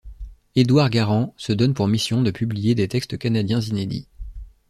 Édouard Garand se donne pour mission de publier des textes canadiens inédits.